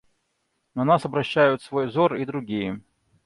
На нас обращают свой взор и другие.